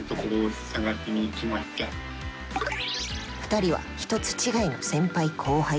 ２人は１つ違いの先輩後輩。